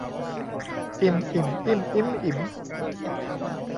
อิม อิ่ม อิ้ม อิ๊ม อิ๋ม